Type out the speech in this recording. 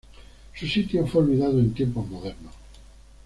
Su sitio fue olvidado en tiempos modernos.